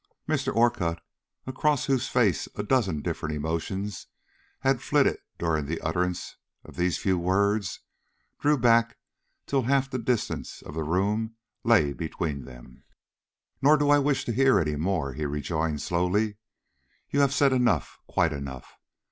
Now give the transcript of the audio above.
Mr. Orcutt, across whose face a dozen different emotions had flitted during the utterance of these few words, drew back till half the distance of the room lay between them. "Nor do I wish to hear any more," he rejoined, slowly. "You have said enough, quite enough.